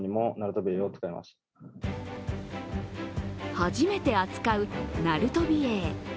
初めて扱うナルトビエイ。